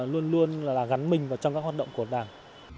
luôn luôn là gắn mình vào trong các hoạt động của đảng